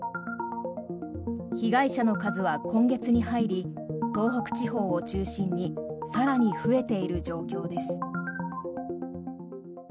被害者の数は今月に入り東北地方を中心に更に増えている状況です。